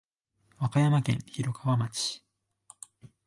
和歌山県広川町